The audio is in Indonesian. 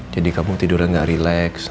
jadi kamu tidurnya gak relax